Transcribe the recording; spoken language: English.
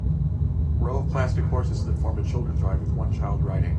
Row of plastic horses that form a childrens ride with one child riding.